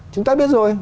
chúng ta biết rồi